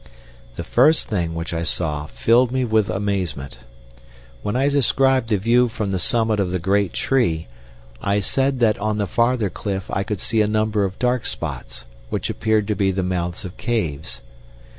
The first thing which I saw filled me with amazement. When I described the view from the summit of the great tree, I said that on the farther cliff I could see a number of dark spots, which appeared to be the mouths of caves.